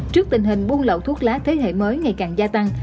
trước tình hình buôn lậu thuốc lá thế hệ mới ngày càng gia tăng